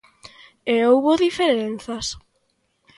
E houbo diferenzas.